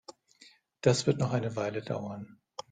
Das wird noch eine Weile dauern.